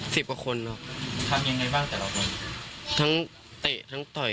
พี่บาบนานไหมตอนนั้นพี่เต๋ต่อนี้